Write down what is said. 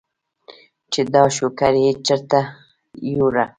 چې دا شوګر ئې چرته يوړۀ ؟